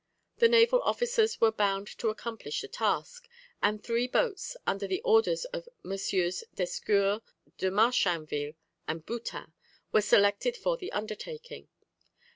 The naval officers were bound to accomplish the task, and three boats, under the orders of MM. d'Escures, de Marchainville, and Boutin, were selected for the undertaking.